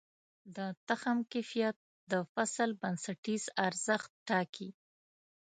د تخم کیفیت د فصل بنسټیز ارزښت ټاکي.